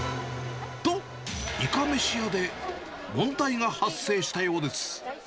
と、いかめし屋で問題が発生したようです。